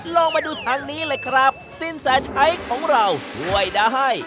ลองมาดูทางนี้เลยครับสินแสชัยของเราช่วยได้